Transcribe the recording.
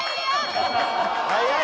早い。